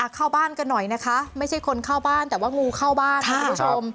เข้าบ้านกันหน่อยนะคะไม่ใช่คนเข้าบ้านแต่ว่างูเข้าบ้านคุณผู้ชม